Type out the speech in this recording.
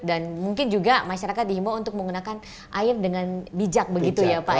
dan mungkin juga masyarakat dihimbau untuk menggunakan air dengan bijak begitu ya pak ya